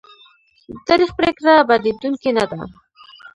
د تاریخ پرېکړه بدلېدونکې نه ده.